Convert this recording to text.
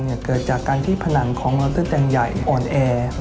ห่วงพลองเกิดจากการที่ผนังของหลอดเลือดแรงใหญ่อ่อนแอ